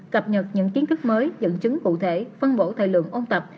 cập nhật những kiến thức mới dẫn chứng cụ thể phân bổ thời lượng ôn tập